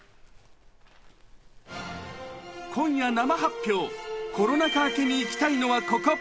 今夜生発表、コロナ禍明けに行きたいのはここ。